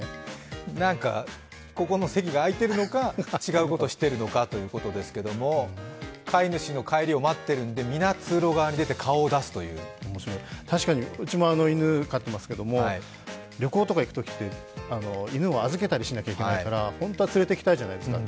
ここの席が空いているのか、違うことをしているのかということですけど飼い主の帰りを待っているので、皆うちも犬を飼っていますけど、旅行とか行くときって犬を預けたりとかしなくちゃいけないから本当は連れて行きたいじゃないですか。